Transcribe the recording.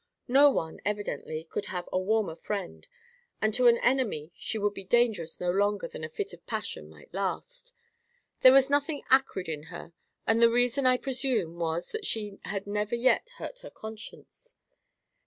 No one, evidently, could have a warmer friend; and to an enemy she would be dangerous no longer than a fit of passion might last. There was nothing acrid in her; and the reason, I presume, was, that she had never yet hurt her conscience.